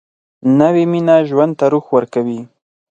نوې مینه ژوند ته روح ورکوي